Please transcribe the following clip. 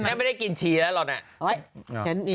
แม่ไม่ได้กินชีแล้วเหรอเนี่ย